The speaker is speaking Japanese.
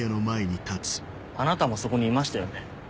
あなたもそこにいましたよね？